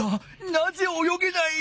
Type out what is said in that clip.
なぜ泳げない？